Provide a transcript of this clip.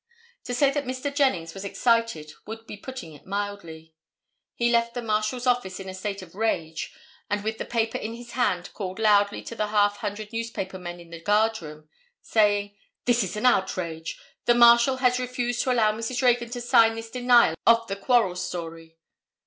To say that Mr. Jennings was excited would be putting it mildly. He left the Marshal's office in a state of rage and with the paper in his hand called loudly to the half hundred newspaper men in the guard room, saying:—"This is an outrage, the Marshal has refused to allow Mrs. Reagan to sign this denial of the quarrel story."